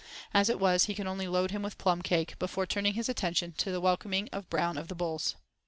As it was, he could only load him with plum cake, before turning his attention to the welcoming of Brown of the Bulls.